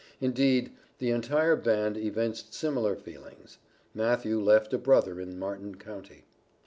Indeed the entire band evinced similar feelings. Matthew left a brother in Martin county.